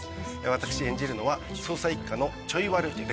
私演じるのは捜査一課のちょい悪刑事。